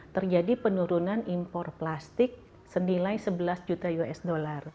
terjadi penurunan impor plastik senilai sebelas juta usd